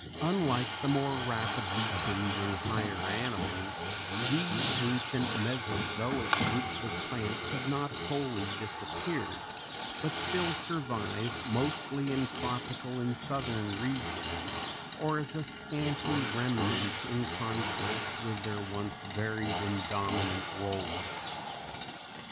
Unlike the more rapidly changing higher animals these ancient Mesozoic groups of plants have not wholly disappeared, but still survive, mostly in tropical and southern regions or as a scanty remnant in contrast with their once varied and dominant role.